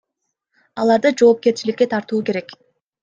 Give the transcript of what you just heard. Аларды жоопкерчиликке тартуу керек.